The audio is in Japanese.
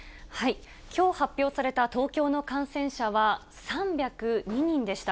きょう発表された東京の感染者は、３０２人でした。